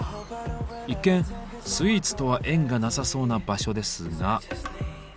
一見スイーツとは縁がなさそうな場所ですが。